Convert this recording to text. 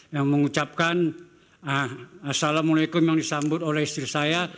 yang mengucapkan assalamualaikum yang disambut oleh istri saya